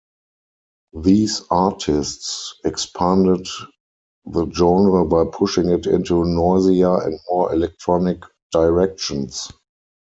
These artists expanded the genre by pushing it into noisier and more electronic directions.